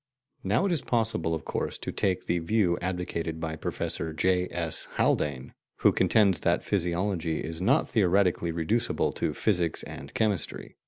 Now it is possible, of course, to take the view advocated by Professor J. S. Haldane, who contends that physiology is not theoretically reducible to physics and chemistry.